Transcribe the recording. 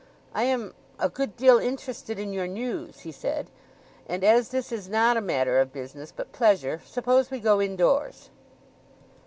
"I am—a good deal interested in your news," he said. "And as this is not a matter of business, but pleasure, suppose we go indoors."